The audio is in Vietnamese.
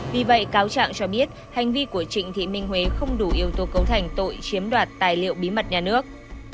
vì vậy cáo trạng cho biết hành vi của trịnh thị minh huế không đủ yếu tố cấu thành tội chiếm đoạt tài liệu bí mật nhà nước